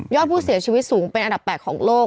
ผู้เสียชีวิตสูงเป็นอันดับ๘ของโลก